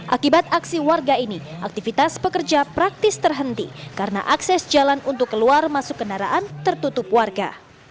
akibat aksi warga ini aktivitas pekerja praktis terhenti karena akses jalan untuk keluar masuk kendaraan tertutup warga